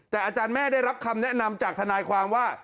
แต่อาจารย์แม่ได้รับคำแนะนำจากทนายความว่า